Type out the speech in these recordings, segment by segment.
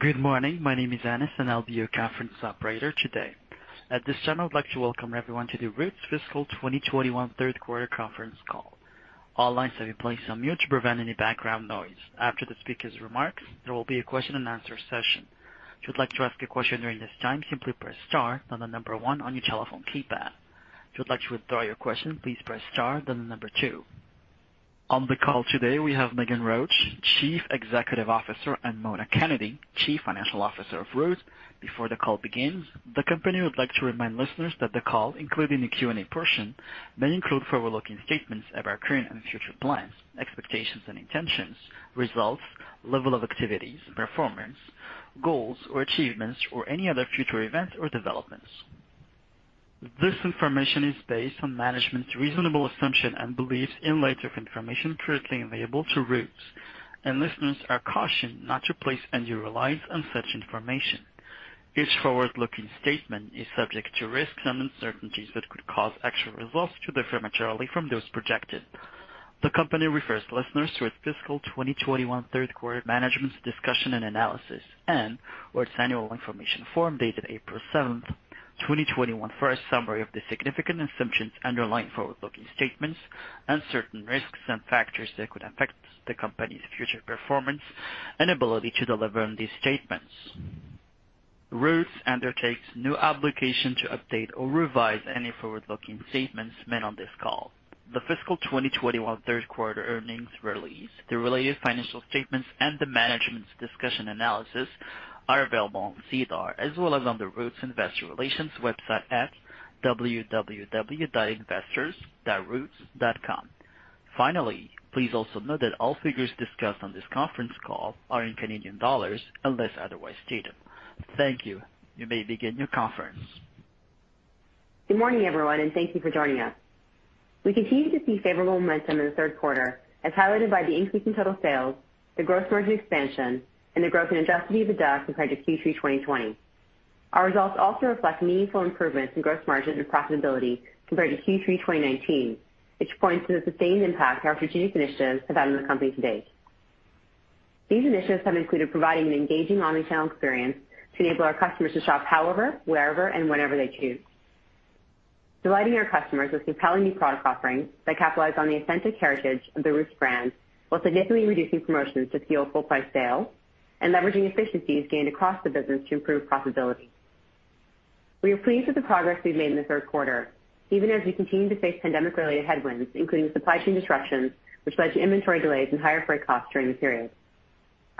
Good morning. My name is Annis, and I'll be your conference operator today. At this time, I'd like to welcome everyone to the Roots Fiscal 2021 Q3 conference call. All lines have been placed on mute to prevent any background noise. After the speaker's remarks, there will be a question-and-answer session. If you'd like to ask a question during this time, simply press star, then the number one on your telephone keypad. If you'd like to withdraw your question, please press star, then the number two. On the call today, we have Meghan Roach, Chief Executive Officer, and Mona Kennedy, Chief Financial Officer of Roots. Before the call begins, the company would like to remind listeners that the call, including the Q&A portion, may include forward-looking statements about current and future plans, expectations and intentions, results, level of activities, performance, goals or achievements or any other future events or developments. This information is based on management's reasonable assumption and beliefs in light of information currently available to Roots, and listeners are cautioned not to place undue reliance on such information. Each forward-looking statement is subject to risks and uncertainties that could cause actual results to differ materially from those projected. The company refers listeners to its fiscal 2021 Q3 management's discussion and analysis and its annual information form dated April 7, 2021 for a summary of the significant assumptions underlying forward-looking statements and certain risks and factors that could affect the company's future performance and ability to deliver on these statements. Roots undertakes no obligation to update or revise any forward-looking statements made on this call. The fiscal 2021 Q3 earnings release, the related financial statements and the management's discussion and analysis are available on SEDAR as well as on the Roots investor relations website at investors.roots.com. Finally, please also note that all figures discussed on this conference call are in Canadian dollars unless otherwise stated. Thank you. You may begin your conference. Good morning, everyone, and thank you for joining us. We continue to see favorable momentum in the Q3, as highlighted by the increase in total sales, the gross margin expansion, and the growth in Adjusted EBITDA compared to Q3 2020. Our results also reflect meaningful improvements in gross margin and profitability compared to Q3 2019, which points to the sustained impact our strategic initiatives have had on the company to date. These initiatives have included providing an engaging omnichannel experience to enable our customers to shop however, wherever, and whenever they choose, delighting our customers with compelling new product offerings that capitalize on the authentic heritage of the Roots brand while significantly reducing promotions to fuel full price sales and leveraging efficiencies gained across the business to improve profitability. We are pleased with the progress we've made in the Q3, even as we continue to face pandemic-related headwinds, including supply chain disruptions, which led to inventory delays and higher freight costs during the period.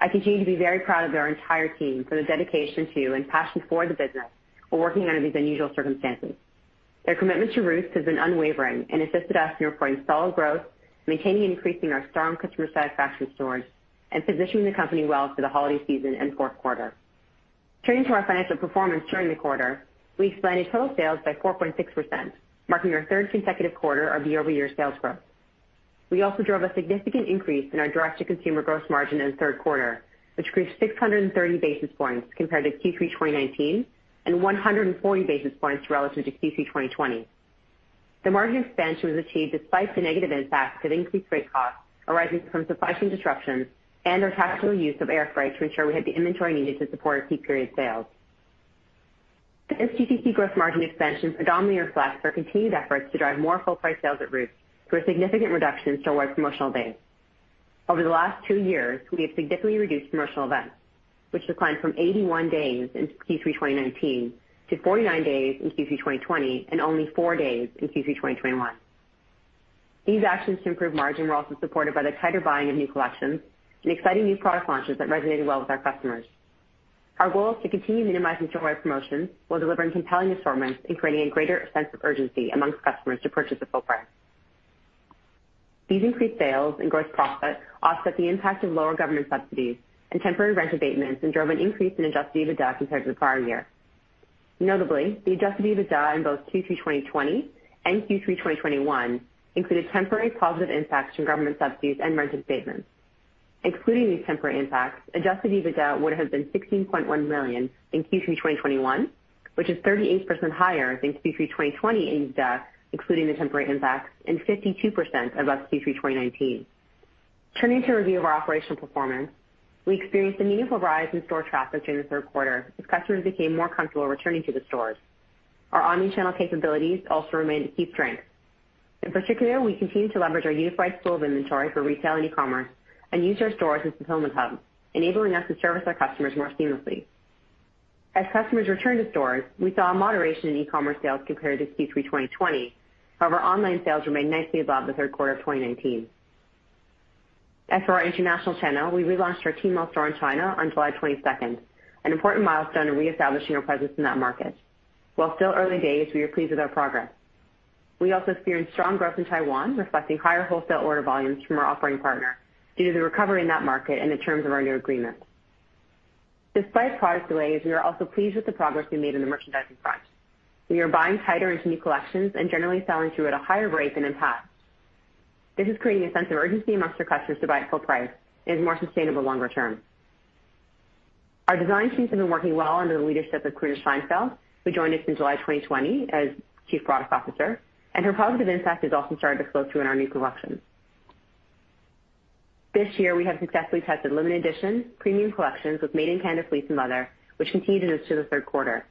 I continue to be very proud of our entire team for the dedication to and passion for the business while working under these unusual circumstances. Their commitment to Roots has been unwavering and assisted us in reporting solid growth, maintaining and increasing our strong customer satisfaction scores, and positioning the company well for the holiday season and fourth quarter. Turning to our financial performance during the quarter, we expanded total sales by 4.6%, marking our third consecutive quarter of year-over-year sales growth. We also drove a significant increase in our direct-to-consumer gross margin in the Q3, which grew 630 basis points compared to Q3 2019 and 140 basis points relative to Q3 2020. The margin expansion was achieved despite the negative impacts of increased freight costs arising from supply chain disruptions and our tactical use of airfreight to ensure we had the inventory needed to support peak period sales. This DTC gross margin expansion predominantly reflects our continued efforts to drive more full price sales at Roots through a significant reduction in store-wide promotional days. Over the last two years, we have significantly reduced promotional events, which declined from 81 days in Q3 2019 to 49 days in Q3 2020 and only 4 days in Q3 2021. These actions to improve margin were also supported by the tighter buying of new collections and exciting new product launches that resonated well with our customers. Our goal is to continue minimizing store-wide promotions while delivering compelling assortments and creating a greater sense of urgency among customers to purchase at full price. These increased sales and gross profit offset the impact of lower government subsidies and temporary rent abatements and drove an increase in Adjusted EBITDA compared to the prior year. Notably, the Adjusted EBITDA in both Q3 2020 and Q3 2021 included temporary positive impacts from government subsidies and rent abatements. Excluding these temporary impacts, Adjusted EBITDA would have been 16.1 million in Q3 2021, which is 38% higher than Q3 2020 EBITDA, excluding the temporary impacts, and 52% above Q3 2019. Turning to a review of our operational performance, we experienced a meaningful rise in store traffic during the Q3 as customers became more comfortable returning to the stores. Our omnichannel capabilities also remained a key strength. In particular, we continued to leverage our unified pool of inventory for retail and e-commerce and used our stores as fulfillment hubs, enabling us to service our customers more seamlessly. As customers returned to stores, we saw a moderation in e-commerce sales compared to Q3 2020. However, online sales remained nicely above the Q3 of 2019. As for our international channel, we relaunched our Tmall store in China on July 22, an important milestone in reestablishing our presence in that market. While still early days, we are pleased with our progress. We also experienced strong growth in Taiwan, reflecting higher wholesale order volumes from our operating partner due to the recovery in that market and the terms of our new agreement. Despite product delays, we are also pleased with the progress we made in the merchandising front. We are buying tighter into new collections and generally selling through at a higher rate than in the past. This is creating a sense of urgency among our customers to buy at full price and is more sustainable longer term. Our design teams have been working well under the leadership of Karuna Scheinfeld, who joined us in July 2020 as Chief Product Officer, and her positive impact has also started to flow through in our new collections. This year, we have successfully tested limited edition premium collections with made in Canada fleece and leather, which continued into the Q3.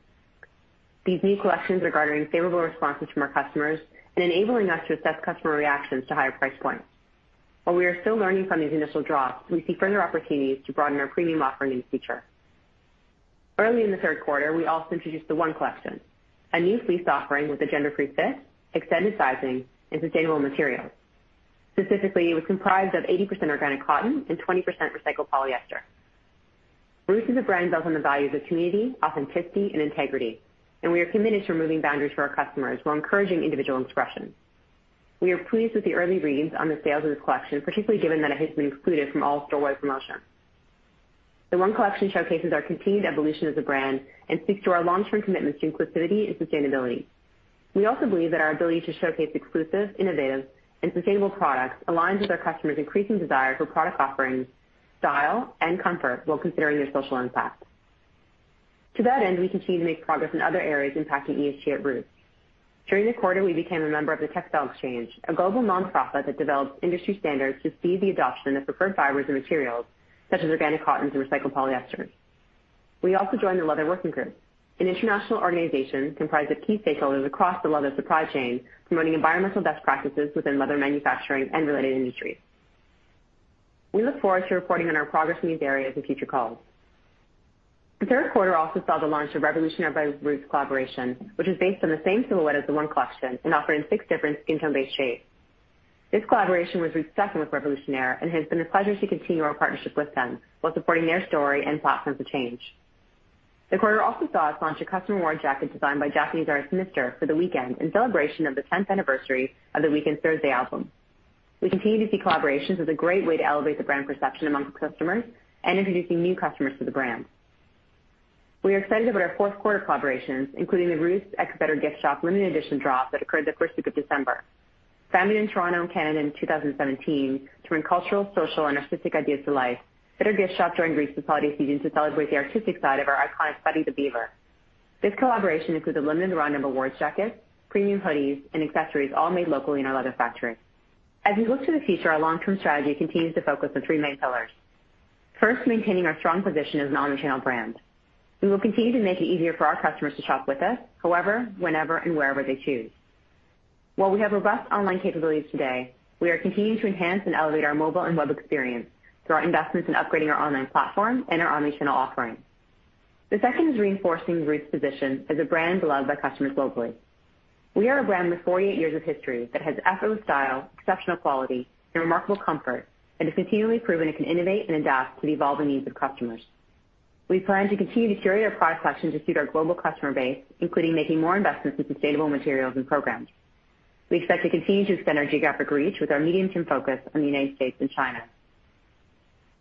These new collections are garnering favorable responses from our customers and enabling us to assess customer reactions to higher price points. While we are still learning from these initial drops, we see further opportunities to broaden our premium offering in the future. Early in the Q3, we also introduced the One Collection, a new fleece offering with a gender-free fit, extended sizing and sustainable materials. Specifically, it was comprised of 80% organic cotton and 20% recycled polyester. Roots is a brand built on the values of community, authenticity, and integrity, and we are committed to removing boundaries for our customers while encouraging individual expression. We are pleased with the early reads on the sales of this collection, particularly given that it has been excluded from all store-wide promotion. The One Collection showcases our continued evolution as a brand and speaks to our long-term commitment to inclusivity and sustainability. We also believe that our ability to showcase exclusive, innovative and sustainable products aligns with our customers increasing desire for product offerings, style and comfort while considering their social impact. To that end, we continue to make progress in other areas impacting ESG at Roots. During the quarter, we became a member of the Textile Exchange, a global nonprofit that develops industry standards to speed the adoption of preferred fibers and materials such as organic cottons and recycled polyester. We also joined the Leather Working Group, an international organization comprised of key stakeholders across the leather supply chain, promoting environmental best practices within leather manufacturing and related industries. We look forward to reporting on our progress in these areas in future calls. The Q3 also saw the launch of Révolutionnaire by Roots collaboration, which is based on the same silhouette as the One Collection and offered in six different skin tone-based shapes. This collaboration was respectful with Révolutionnaire, and it has been a pleasure to continue our partnership with them while supporting their story and platform for change. The quarter also saw us launch a custom Award Jacket designed by Japanese artist, MR., for the Weeknd in celebration of the tenth anniversary of the Weeknd's Thursday album. We continue to see collaborations as a great way to elevate the brand perception amongst customers and introducing new customers to the brand. We are excited about our fourth quarter collaborations, including the Roots X Better Gift Shop limited edition drop that occurred the first week of December. Founded in Toronto, Canada in 2017 to bring cultural, social, and artistic ideas to life. Better Gift Shop joined Roots this holiday season to celebrate the artistic side of our iconic Buddy the Beaver. This collaboration included limited run of Award Jackets, premium hoodies, and accessories, all made locally in our leather factory. As we look to the future, our long-term strategy continues to focus on three main pillars. First, maintaining our strong position as an omnichannel brand. We will continue to make it easier for our customers to shop with us, however, whenever, and wherever they choose. While we have robust online capabilities today, we are continuing to enhance and elevate our mobile and web experience through our investments in upgrading our online platform and our omnichannel offerings. The second is reinforcing Roots' position as a brand beloved by customers globally. We are a brand with 48 years of history that has effortless style, exceptional quality, and remarkable comfort, and has continually proven it can innovate and adapt to the evolving needs of customers. We plan to continue to curate our product collection to suit our global customer base, including making more investments in sustainable materials and programs. We expect to continue to expand our geographic reach with our medium-term focus on the United States and China.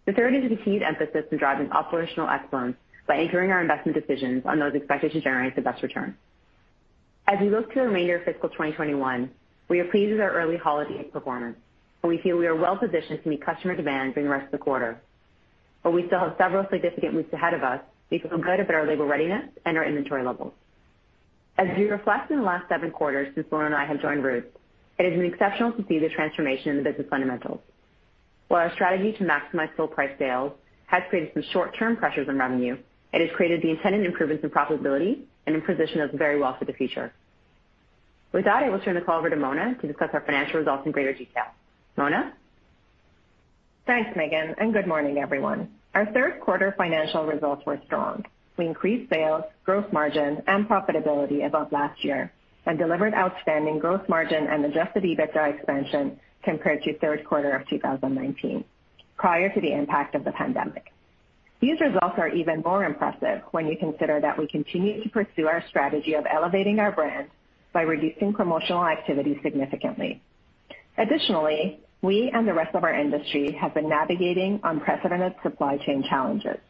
The third is a continued emphasis in driving operational excellence by anchoring our investment decisions on those expected to generate the best returns. As we look to the remainder of fiscal 2021, we are pleased with our early holiday performance, and we feel we are well positioned to meet customer demand during the rest of the quarter. We still have several significant weeks ahead of us based on confidence in our labor readiness and our inventory levels. As we reflect on the last seven quarters since Mona and I have joined Roots, it has been exceptional to see the transformation in the business fundamentals. While our strategy to maximize full-price sales has created some short-term pressures on revenue, it has created the intended improvements in profitability and positioned us very well for the future. With that, I will turn the call over to Mona to discuss our financial results in greater detail. Mona. Thanks, Megan, and good morning, everyone. Our Q3 financial results were strong. We increased sales, growth margin, and profitability above last year and delivered outstanding growth margin and Adjusted EBITDA expansion compared to Q3 of 2019, prior to the impact of the pandemic. These results are even more impressive when you consider that we continue to pursue our strategy of elevating our brand by reducing promotional activity significantly. Additionally, we and the rest of our industry have been navigating unprecedented supply chain challenges.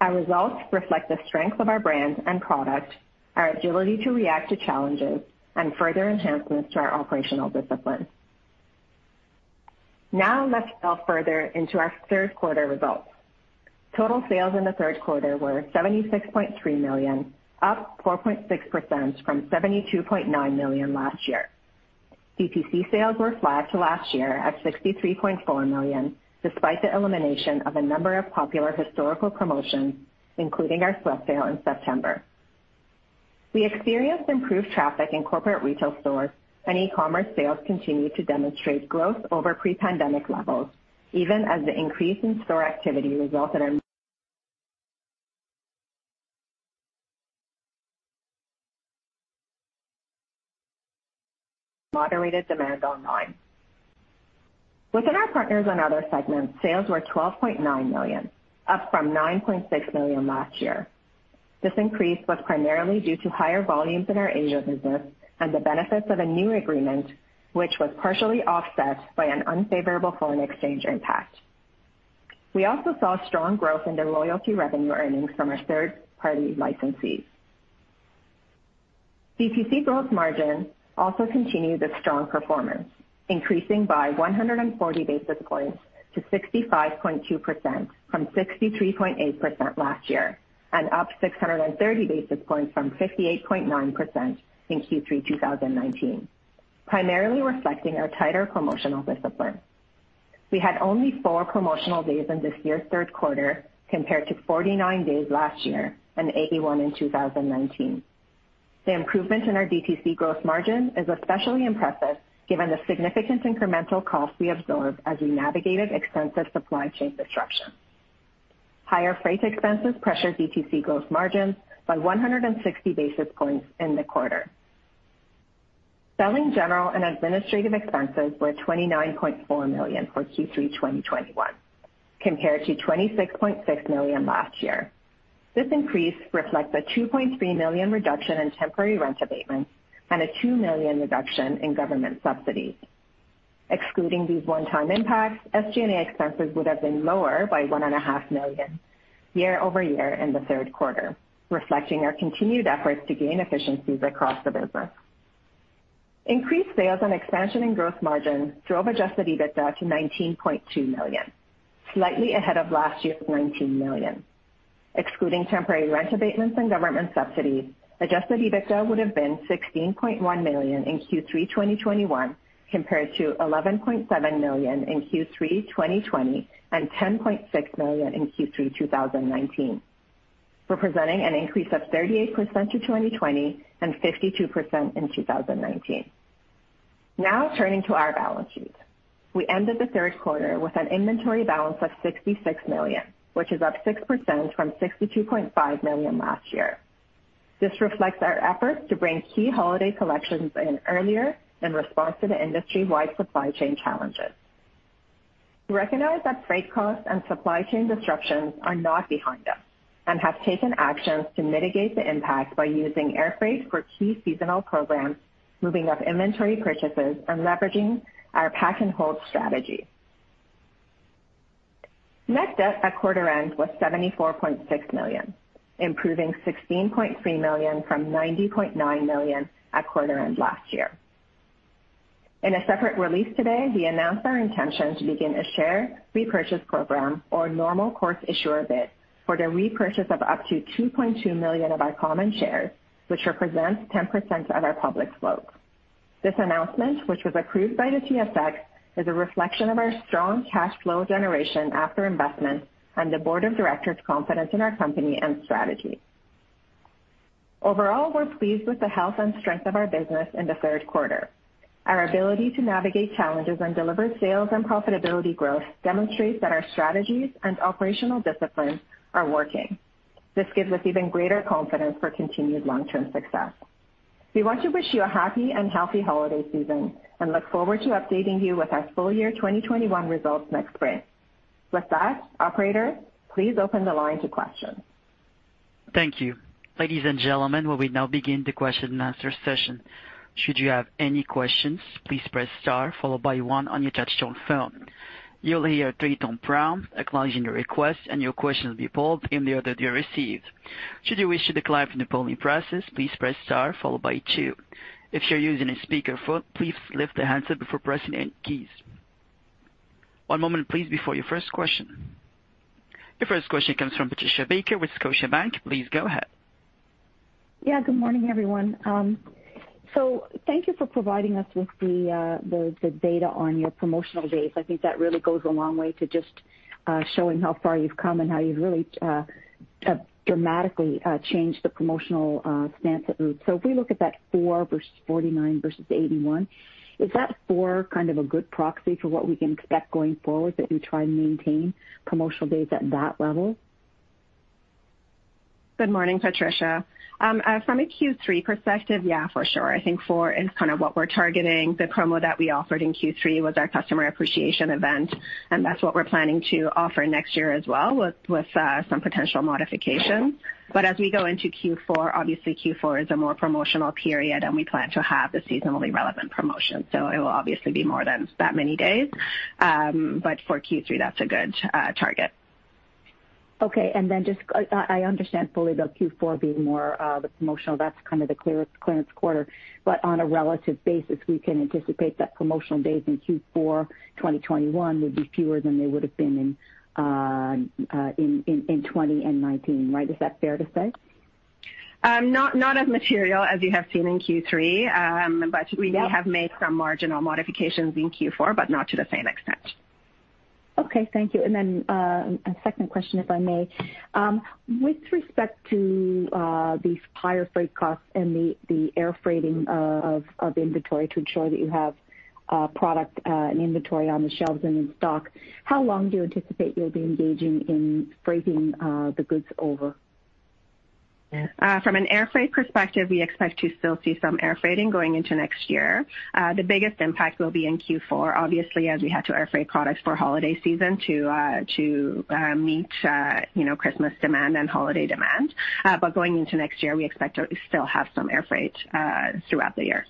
Our results reflect the strength of our brand and product, our agility to react to challenges, and further enhancements to our operational discipline. Now let's delve further into our Q3 results. Total sales in the Q3 were 76.3 million, up 4.6% from 72.9 million last year. DTC sales were flat to last year at 63.4 million, despite the elimination of a number of popular historical promotions, including our Sweat Sale in September. We experienced improved traffic in corporate retail stores, and e-commerce sales continued to demonstrate growth over pre-pandemic levels, even as the increase in store activity resulted in moderated demand online. Within our partners and other segments, sales were 12.9 million, up from 9.6 million last year. This increase was primarily due to higher volumes in our Asia business and the benefits of a new agreement, which was partially offset by an unfavorable foreign exchange impact. We also saw strong growth in the loyalty revenue earnings from our third-party licensees. DTC gross margin also continued its strong performance, increasing by 140 basis points to 65.2% from 63.8% last year, and up 630 basis points from 58.9% in Q3 2019, primarily reflecting our tighter promotional discipline. We had only four promotional days in this year's Q3 compared to 49 days last year and 81 in 2019. The improvement in our DTC gross margin is especially impressive given the significant incremental cost we absorbed as we navigated extensive supply chain disruptions. Higher freight expenses pressured DTC gross margins by 160 basis points in the quarter. Selling, general, and administrative expenses were 29.4 million for Q3 2021 compared to 26.6 million last year. This increase reflects a 2.3 million reduction in temporary rent abatements and a 2 million reduction in government subsidies. Excluding these one-time impacts, SG&A expenses would have been lower by 1.5 million year over year in the Q3, reflecting our continued efforts to gain efficiencies across the business. Increased sales and expansion in growth margin drove adjusted EBITDA to 19.2 million, slightly ahead of last year's 19 million. Excluding temporary rent abatements and government subsidies, adjusted EBITDA would have been CAD 16.1 million in Q3 2021 compared to CAD 11.7 million in Q3 2020 and CAD 10.6 million in Q3 2019, representing an increase of 38% to 2020 and 52% in 2019. Now turning to our balance sheet. We ended the Q3 with an inventory balance of 66 million, which is up 6% from 62.5 million last year. This reflects our efforts to bring key holiday collections in earlier in response to the industry-wide supply chain challenges. We recognize that freight costs and supply chain disruptions are not behind us and have taken actions to mitigate the impact by using air freight for key seasonal programs, moving up inventory purchases, and leveraging our pack and hold strategy. Net debt at quarter end was 74.6 million, improving 16.3 million from 90.9 million at quarter end last year. In a separate release today, we announced our intention to begin a share repurchase program or normal course issuer bid for the repurchase of up to 2.2 million of our common shares, which represents 10% of our public float. This announcement, which was approved by the TSX, is a reflection of our strong cash flow generation after investment and the board of directors' confidence in our company and strategy. Overall, we're pleased with the health and strength of our business in the Q3. Our ability to navigate challenges and deliver sales and profitability growth demonstrates that our strategies and operational disciplines are working. This gives us even greater confidence for continued long-term success. We want to wish you a happy and healthy holiday season, and look forward to updating you with our full year 2021 results next spring. With that, operator, please open the line to questions. Thank you. Ladies and gentlemen, we will now begin the question and answer session. Should you have any questions, please press star followed by one on your touchtone phone. You'll hear a three-tone prompt acknowledging your request, and your question will be pulled in the order they are received. Should you wish to decline from the polling process, please press star followed by two. If you're using a speakerphone, please lift the handset before pressing any keys. One moment, please, before your first question. The first question comes from Patricia Baker with Scotiabank. Please go ahead. Yeah, good morning, everyone. Thank you for providing us with the data on your promotional days. I think that really goes a long way to just showing how far you've come and how you've really dramatically changed the promotional stance at Roots. If we look at that 4 versus 49 versus 81, is that 4 kind of a good proxy for what we can expect going forward, that you try and maintain promotional days at that level? Good morning, Patricia. From a Q3 perspective, yeah, for sure. I think four is kind of what we're targeting. The promo that we offered in Q3 was our Customer Appreciation Event, and that's what we're planning to offer next year as well with some potential modifications. As we go into Q4, obviously Q4 is a more promotional period, and we plan to have the seasonally relevant promotions. It will obviously be more than that many days. For Q3, that's a good target. Okay. I understand fully that Q4 being more the promotional, that's kind of the clearance quarter. On a relative basis, we can anticipate that promotional days in Q4 2021 would be fewer than they would have been in 2020 and 2019, right? Is that fair to say? Not as material as you have seen in Q3. We may have made some marginal modifications in Q4, but not to the same extent. Okay, thank you. A second question, if I may. With respect to these higher freight costs and the air freighting of inventory to ensure that you have product and inventory on the shelves and in stock, how long do you anticipate you'll be engaging in freighting the goods over? From an air freight perspective, we expect to still see some air freighting going into next year. The biggest impact will be in Q4, obviously, as we had to air freight products for holiday season to meet, you know, Christmas demand and holiday demand. Going into next year, we expect to still have some air freight throughout the year.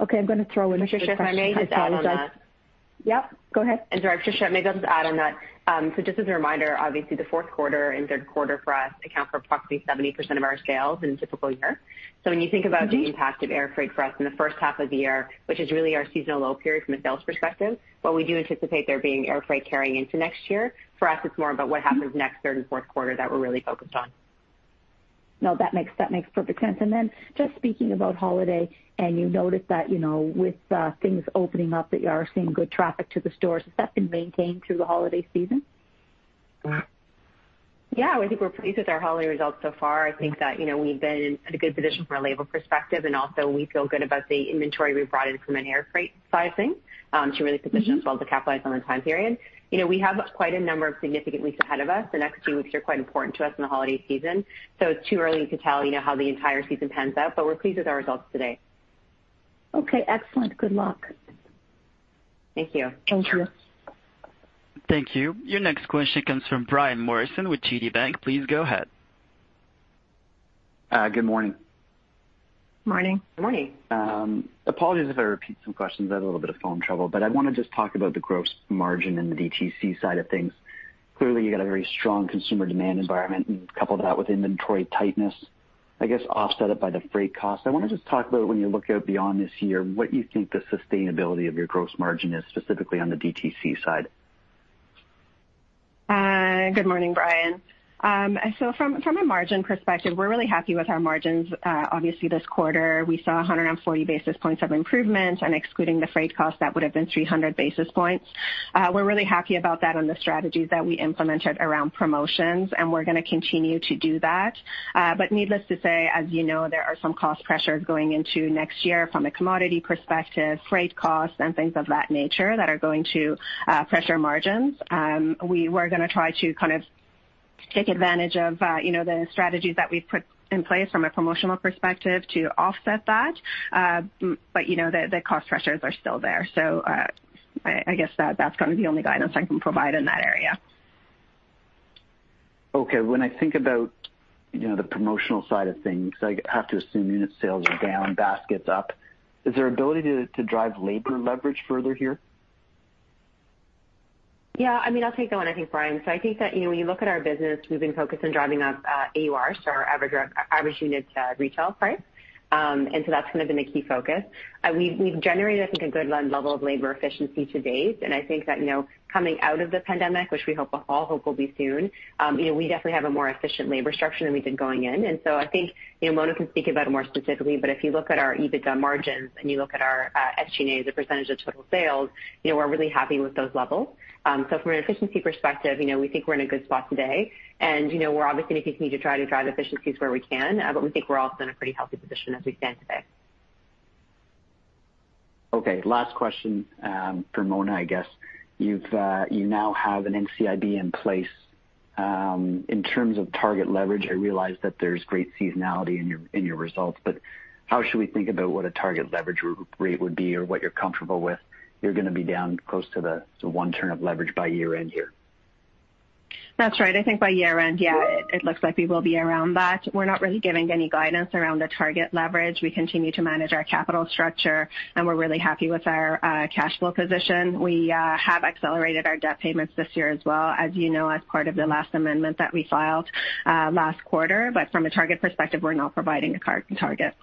Okay, I'm gonna throw in just a question. I apologize. Patricia, if I may just add on that. Yep, go ahead. Sorry, Patricia, may I just add on that. Just as a reminder, obviously the fourth quarter and Q3 for us account for approximately 70% of our sales in a typical year. When you think about the impact of air freight for us in the first half of the year, which is really our seasonal low period from a sales perspective, while we do anticipate there being air freight carrying into next year, for us it's more about what happens in the next third and fourth quarter that we're really focused on. No, that makes perfect sense. Just speaking about holiday, and you noted that, you know, with things opening up that you are seeing good traffic to the stores. Has that been maintained through the holiday season? Yeah, I think we're pleased with our holiday results so far. I think that, you know, we've been in a good position from a labor perspective, and also we feel good about the inventory we brought in from an air freight sizing, to really position us well to capitalize on the time period. You know, we have quite a number of significant weeks ahead of us. The next two weeks are quite important to us in the holiday season, so it's too early to tell, you know, how the entire season pans out, but we're pleased with our results today. Okay, excellent. Good luck. Thank you. Thank you. Thank you. Your next question comes from Brian Morrison with TD Cowen. Please go ahead. Good morning. Morning. Morning. Apologies if I repeat some questions. I had a little bit of phone trouble, but I wanna just talk about the gross margin and the DTC side of things. Clearly you got a very strong consumer demand environment and couple that with inventory tightness, I guess offset it by the freight cost. I wanna just talk about when you look out beyond this year, what you think the sustainability of your gross margin is specifically on the DTC side. Good morning, Brian. From a margin perspective, we're really happy with our margins. Obviously this quarter we saw 140 basis points of improvement, and excluding the freight cost, that would've been 300 basis points. We're really happy about that on the strategies that we implemented around promotions, and we're gonna continue to do that. Needless to say, as you know, there are some cost pressures going into next year from a commodity perspective, freight costs and things of that nature that are going to pressure margins. We're gonna try to kind of take advantage of, you know, the strategies that we've put in place from a promotional perspective to offset that. You know, the cost pressures are still there. I guess that's kind of the only guidance I can provide in that area. Okay. When I think about, you know, the promotional side of things, I have to assume unit sales are down, basket's up. Is there ability to drive labor leverage further here? Yeah, I mean, I'll take that one, I think, Brian. I think that, you know, when you look at our business, we've been focused on driving up AUR, so our average unit retail price. That's kind of been a key focus. We've generated I think a good level of labor efficiency to date, and I think that, you know, coming out of the pandemic, which we all hope will be soon, you know, we definitely have a more efficient labor structure than we did going in. I think, you know, Mona can speak about it more specifically, but if you look at our EBITDA margins and you look at our SG&As, the percentage of total sales, you know, we're really happy with those levels. From an efficiency perspective, you know, we think we're in a good spot today. You know, we're obviously gonna continue to try to drive efficiencies where we can, but we think we're also in a pretty healthy position as we stand today. Okay. Last question for Mona, I guess. You now have an NCIB in place. In terms of target leverage, I realize that there's great seasonality in your results, but how should we think about what a target leverage rate would be or what you're comfortable with? You're gonna be down close to one turn of leverage by year-end here. That's right. I think by year-end, yeah, it looks like we will be around that. We're not really giving any guidance around the target leverage. We continue to manage our capital structure and we're really happy with our cash flow position. We have accelerated our debt payments this year as well, as you know, as part of the last amendment that we filed last quarter. From a target perspective, we're not providing a net target.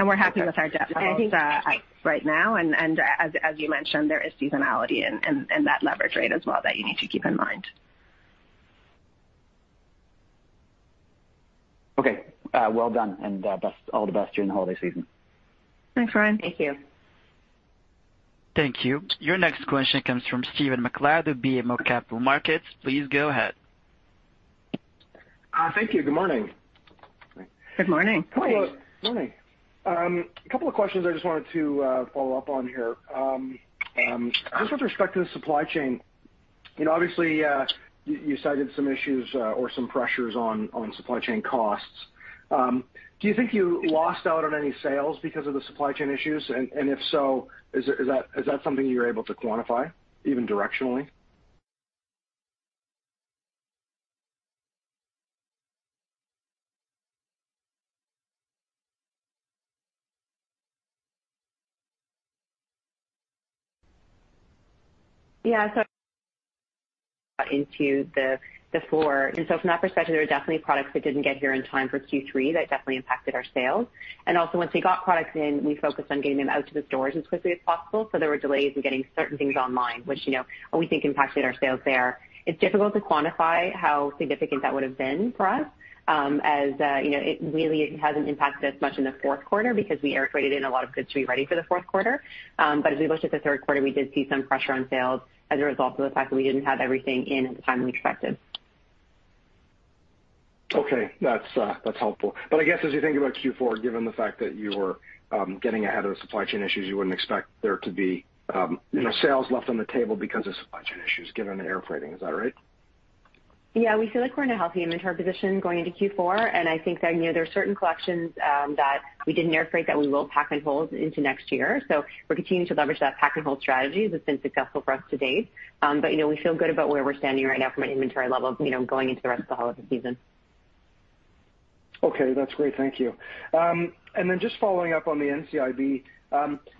We're happy with our debt profiles right now. As you mentioned, there is seasonality in that leverage rate as well that you need to keep in mind. Okay. Well done and best all the best during the holiday season. Thanks, Brian. Thank you. Thank you. Your next question comes from Stephen MacLeod with BMO Capital Markets. Please go ahead. Thank you. Good morning. Good morning. Morning. Morning. A couple of questions I just wanted to follow up on here. Just with respect to the supply chain, you know, obviously, you cited some issues or some pressures on supply chain costs. Do you think you lost out on any sales because of the supply chain issues? If so, is that something you're able to quantify even directionally? From that perspective, there were definitely products that didn't get here in time for Q3 that definitely impacted our sales. Once we got products in, we focused on getting them out to the stores as quickly as possible. There were delays in getting certain things online, which, you know, we think impacted our sales there. It's difficult to quantify how significant that would've been for us, as, you know, it really hasn't impacted us much in the fourth quarter because we air freighted in a lot of goods to be ready for the fourth quarter. As we looked at the Q3, we did see some pressure on sales as a result of the fact that we didn't have everything in at the time we expected. Okay. That's helpful. I guess as you think about Q4, given the fact that you were getting ahead of the supply chain issues, you wouldn't expect there to be, you know, sales left on the table because of supply chain issues given the air freighting. Is that right? Yeah. We feel like we're in a healthy inventory position going into Q4, and I think that, you know, there are certain collections that we didn't air freight that we will pack and hold into next year. We're continuing to leverage that pack and hold strategy that's been successful for us to date. You know, we feel good about where we're standing right now from an inventory level, you know, going into the rest of the holiday season. Okay, that's great. Thank you. Just following up on the NCIB,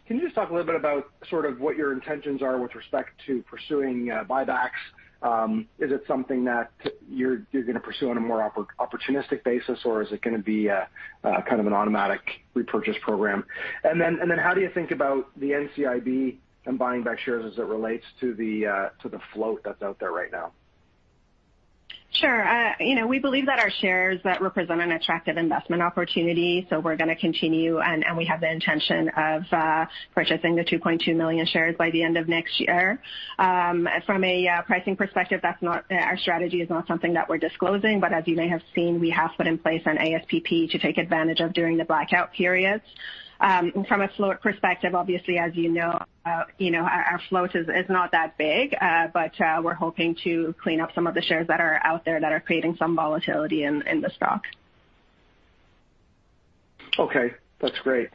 can you just talk a little bit about sort of what your intentions are with respect to pursuing buybacks? Is it something that you're gonna pursue on a more opportunistic basis, or is it gonna be a kind of an automatic repurchase program? How do you think about the NCIB and buying back shares as it relates to the float that's out there right now? Sure. You know, we believe that our shares that represent an attractive investment opportunity, so we're gonna continue. We have the intention of purchasing the 2.2 million shares by the end of next year. From a pricing perspective, our strategy is not something that we're disclosing, but as you may have seen, we have put in place an ASPP to take advantage of during the blackout periods. From a float perspective, obviously, as you know, you know, our float is not that big. We're hoping to clean up some of the shares that are out there that are creating some volatility in the stock. Okay, that's great.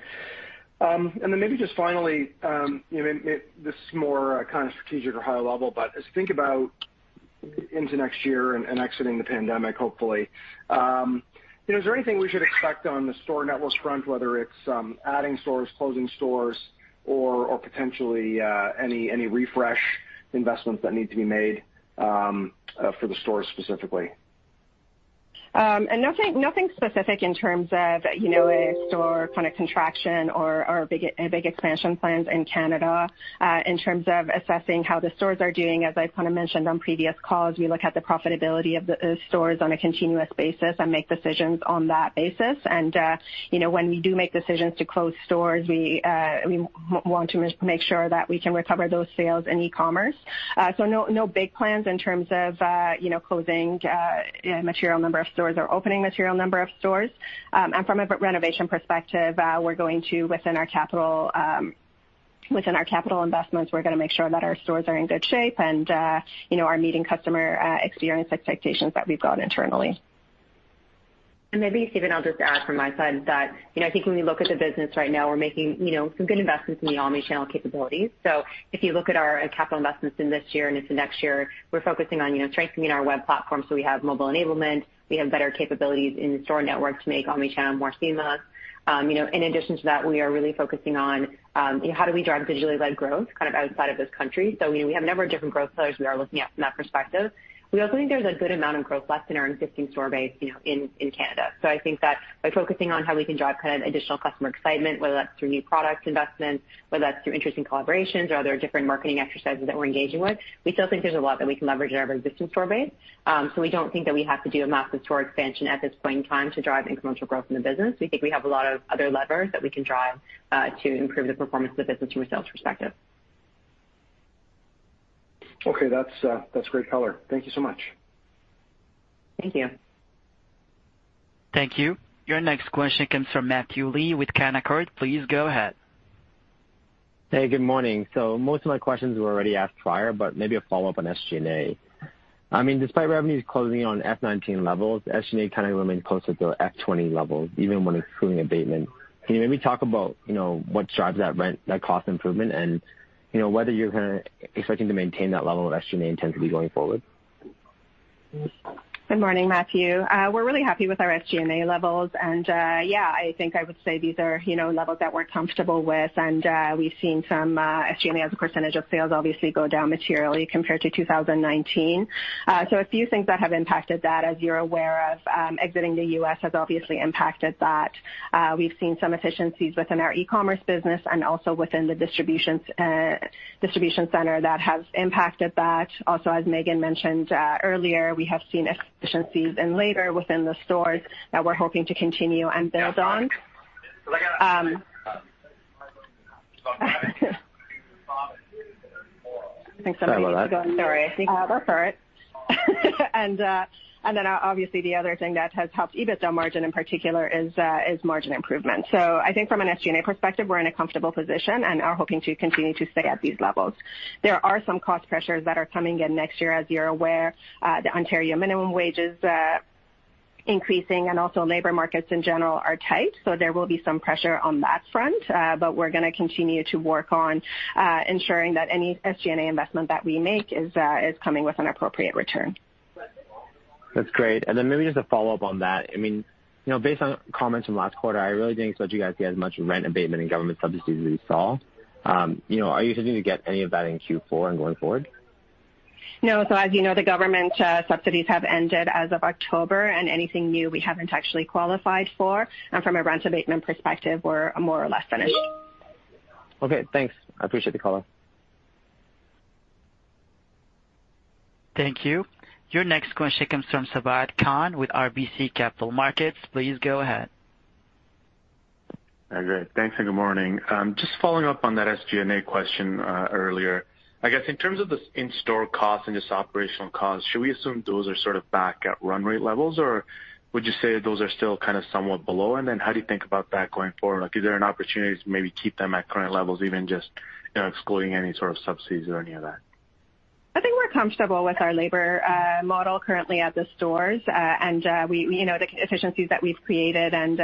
And then maybe just finally, you know, this is more kind of strategic or high level, but as you think about going into next year and exiting the pandemic, hopefully, you know, is there anything we should expect on the store network front, whether it's adding stores, closing stores or potentially any refresh investments that need to be made for the stores specifically? Nothing specific in terms of, you know, a store kind of contraction or big expansion plans in Canada. In terms of assessing how the stores are doing, as I've kind of mentioned on previous calls, we look at the profitability of the stores on a continuous basis and make decisions on that basis. You know, when we do make decisions to close stores, we want to make sure that we can recover those sales in e-commerce. No big plans in terms of, you know, closing a material number of stores or opening material number of stores. From a renovation perspective, we're going to, within our capital investments, make sure that our stores are in good shape and, you know, are meeting customer experience expectations that we've got internally. Maybe, Stephen, I'll just add from my side that, you know, I think when we look at the business right now, we're making, you know, some good investments in the omnichannel capabilities. If you look at our capital investments in this year and into next year, we're focusing on, you know, strengthening our web platform so we have mobile enablement, we have better capabilities in store networks to make omnichannel more seamless. You know, in addition to that, we are really focusing on how do we drive digitally led growth kind of outside of this country. You know, we have a number of different growth plays we are looking at from that perspective. We also think there's a good amount of growth left in our existing store base, you know, in Canada. I think that by focusing on how we can drive kind of additional customer excitement, whether that's through new product investments, whether that's through interesting collaborations or other different marketing exercises that we're engaging with, we still think there's a lot that we can leverage in our existing store base. We don't think that we have to do a massive store expansion at this point in time to drive incremental growth in the business. We think we have a lot of other levers that we can drive to improve the performance of the business from a sales perspective. Okay. That's great color. Thank you so much. Thank you. Thank you. Your next question comes from Matthew Lee with Canaccord. Please go ahead. Hey, good morning. Most of my questions were already asked prior, but maybe a follow-up on SG&A. I mean, despite revenues closing on FY 2019 levels, SG&A kind of remained close to the FY 2020 levels even when excluding abatement. Can you maybe talk about, you know, what drives that rent, that cost improvement, and, you know, whether you're kind of expecting to maintain that level of SG&A intensity going forward? Good morning, Matthew. We're really happy with our SG&A levels. I think I would say these are, you know, levels that we're comfortable with. We've seen some SG&A as a percentage of sales obviously go down materially compared to 2019. A few things that have impacted that, as you're aware of, exiting the U.S. has obviously impacted that. We've seen some efficiencies within our e-commerce business and also within the distribution center that has impacted that. Also, as Megan mentioned earlier, we have seen efficiencies in labor within the stores that we're hoping to continue and build on. Sorry about that. Sorry. I think we've all heard. Obviously the other thing that has helped EBITDA margin in particular is margin improvement. I think from an SG&A perspective, we're in a comfortable position and are hoping to continue to stay at these levels. There are some cost pressures that are coming in next year. As you're aware, the Ontario minimum wage is increasing and also labor markets in general are tight. There will be some pressure on that front. We're gonna continue to work on ensuring that any SG&A investment that we make is coming with an appropriate return. That's great. Maybe just a follow-up on that. I mean, you know, based on comments from last quarter, I really didn't expect you guys to get as much rent abatement and government subsidies as we saw. You know, are you continuing to get any of that in Q4 and going forward? No. As you know, the government subsidies have ended as of October, and anything new we haven't actually qualified for. From a rent abatement perspective, we're more or less finished. Okay, thanks. I appreciate the call. Thank you. Your next question comes from Sabahat Khan with RBC Capital Markets. Please go ahead. Great. Thanks, and good morning. Just following up on that SG&A question, earlier. I guess in terms of the in-store costs and just operational costs, should we assume those are sort of back at run rate levels, or would you say those are still kind of somewhat below? And then how do you think about that going forward? Like, is there an opportunity to maybe keep them at current levels, even just, you know, excluding any sort of subsidies or any of that? I think we're comfortable with our labor model currently at the stores. We know the efficiencies that we've created and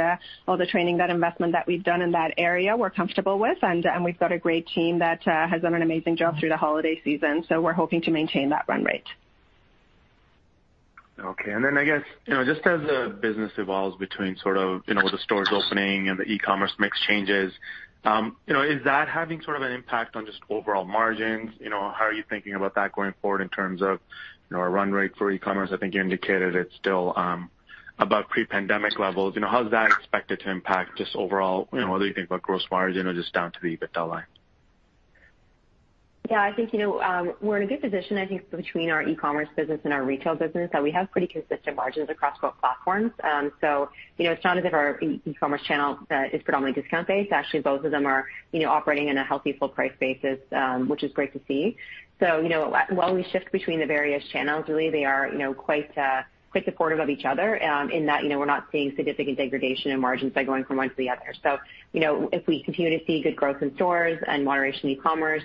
all the training, that investment that we've done in that area we're comfortable with. We've got a great team that has done an amazing job through the holiday season, so we're hoping to maintain that run rate. Okay. I guess, you know, just as the business evolves between sort of, you know, the stores opening and the e-commerce mix changes, you know, is that having sort of an impact on just overall margins? You know, how are you thinking about that going forward in terms of, you know, a run rate for e-commerce? I think you indicated it's still above pre-pandemic levels. You know, how is that expected to impact just overall, you know, whether you think about gross margins, you know, just down to the EBITDA line. Yeah, I think, you know, we're in a good position, I think, between our e-commerce business and our retail business, that we have pretty consistent margins across both platforms. You know, it's not as if our e-commerce channel is predominantly discount-based. Actually, both of them are, you know, operating in a healthy full price basis, which is great to see. You know, while we shift between the various channels, really they are, you know, quite supportive of each other, in that, you know, we're not seeing significant degradation in margins by going from one to the other. You know, if we continue to see good growth in stores and moderation in e-commerce,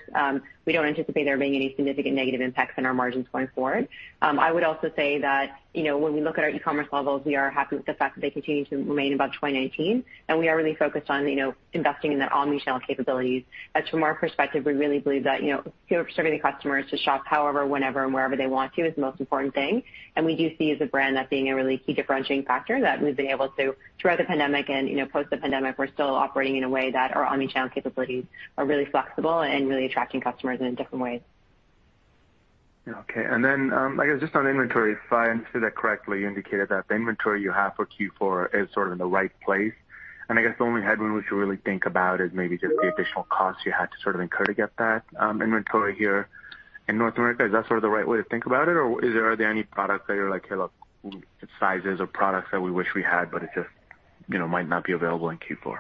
we don't anticipate there being any significant negative impacts in our margins going forward. I would also say that, you know, when we look at our e-commerce levels, we are happy with the fact that they continue to remain above 2019, and we are really focused on, you know, investing in their omnichannel capabilities. And from our perspective, we really believe that, you know, serving the customers to shop however, whenever, and wherever they want to is the most important thing. We do see as a brand that being a really key differentiating factor, that we've been able to throughout the pandemic and, you know, post the pandemic, we're still operating in a way that our omnichannel capabilities are really flexible and really attracting customers in different ways. Yeah, okay. Then, I guess just on inventory, if I understood that correctly, you indicated that the inventory you have for Q4 is sort of in the right place. I guess the only headwind we should really think about is maybe just the additional costs you had to sort of incur to get that inventory here in North America. Is that sort of the right way to think about it? Or is there any product that you're like, "Hey, look, sizes or products that we wish we had, but it just, you know, might not be available in Q4?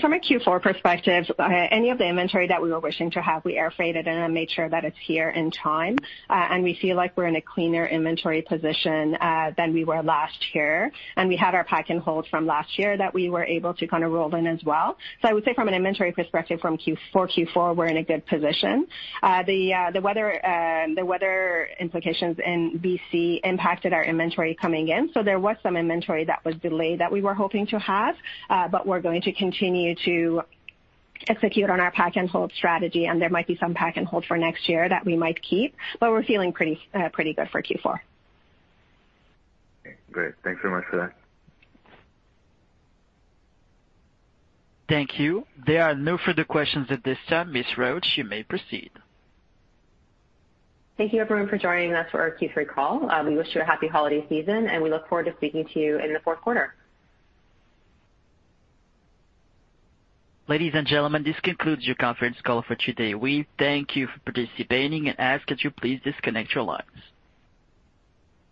From a Q4 perspective, any of the inventory that we were wishing to have, we air freighted and made sure that it's here in time. We feel like we're in a cleaner inventory position than we were last year. We had our pack and hold from last year that we were able to kind of roll in as well. I would say from an inventory perspective, from Q4, we're in a good position. The weather implications in B.C. impacted our inventory coming in. There was some inventory that was delayed that we were hoping to have. We're going to continue to execute on our pack and hold strategy, and there might be some pack and hold for next year that we might keep, but we're feeling pretty good for Q4. Okay, great. Thanks so much for that. Thank you. There are no further questions at this time. Ms. Roach, you may proceed. Thank you, everyone, for joining us for our Q3 call. We wish you a happy holiday season, and we look forward to speaking to you in the fourth quarter. Ladies and gentlemen, this concludes your conference call for today. We thank you for participating and ask that you please disconnect your lines.